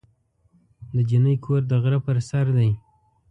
د جینۍ کور د غره په سر دی.